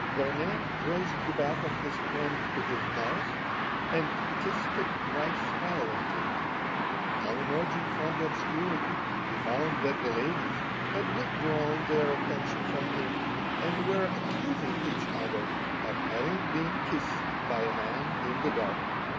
Vernet raised the back of his hand to his mouth and kissed it twice violently. On emerging from the obscurity he found that the ladies had withdrawn their attention from him, and were accusing each other of having been kissed by a man in the dark.